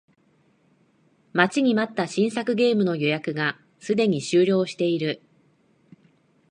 待ちに待った新作ゲームの予約がすでに終了している